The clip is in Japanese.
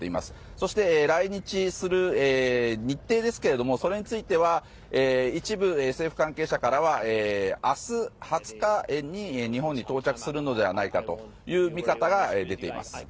そして、来日する日程ですがそれについては一部、政府関係者からは明日、２０日に日本に到着するのではないかという見方が出ています。